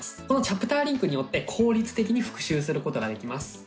このチャプターリンクによって効率的に復習することができます。